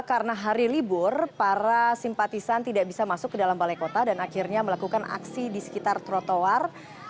karena hari libur para simpatisan tidak bisa masuk ke dalam balai kota dan akhirnya melakukan aksi di sekitar trotoar